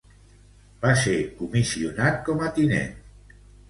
Va ser comissionat com a tinent.